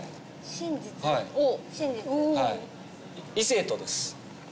真実異性とです